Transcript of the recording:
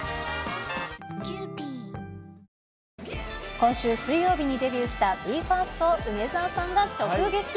今週水曜日にデビューしたＢＥＦＩＲＳＴを梅澤さんが直撃。